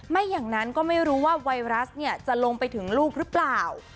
ไม่อย่างนั้นก็ไม่รู้ว่าไวรัสจะลงไปถึงลูกหรือเปล่า